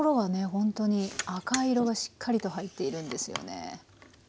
ほんとに赤色がしっかりと入っているんですよね。